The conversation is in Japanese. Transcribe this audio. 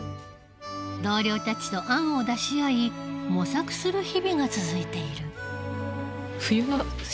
同僚たちと案を出し合い模索する日々が続いている。